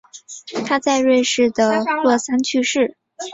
他在瑞士的洛桑去世。